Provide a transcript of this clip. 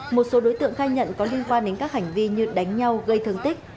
một số đối tượng khai nhận có liên quan đến các hành vi như đánh nhau gây thương tích